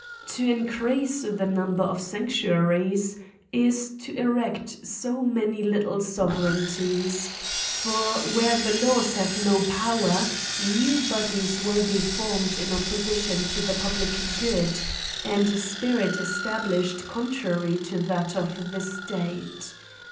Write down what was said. To increase the number of sanctuaries is to erect so many little sovereignties ; for where the laws have no power, new bodies will be form ed in opposition to the public good, and a spirit established contrary to that of the state.